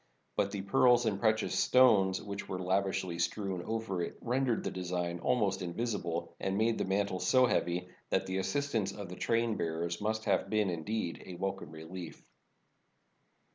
But the pearls and precious stones which were lavishly strewn over it rendered the design almost invisible and made the man tle so heavy that the assistance of the train bearers must have been, indeed, a welcome relief.